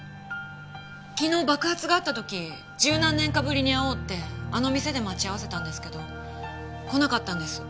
昨日爆発があった時十何年かぶりに会おうってあの店で待ち合わせたんですけど来なかったんです。